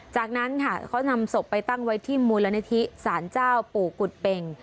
จากนั้นค่ะเขานำศพไปตั้งไว้ที่มูลนิธิสารเจ้าปู่กุฎเป็ง